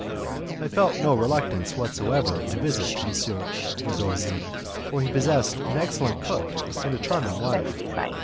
I felt no reluctance whatever to visit M. Zorzi, for he possessed an excellent cook and a charming wife.